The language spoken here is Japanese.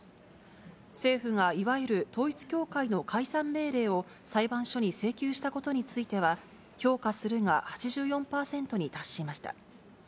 政府がいわゆる統一教会の解散命令を裁判所に請求したことについては、評価するが８４％に達しました。